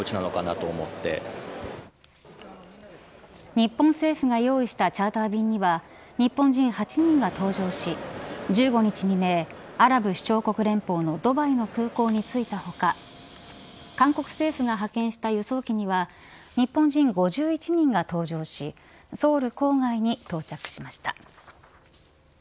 日本政府が用意したチャーター便には日本人８人が搭乗し１５日未明、アラブ首長国連邦のドバイの空港に着いたほか韓国政府が派遣した輸送機には日本人５１人が搭乗しソウル郊外に到着しました。